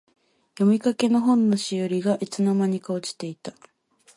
読みかけの本のしおりが、いつの間にか落ちていた。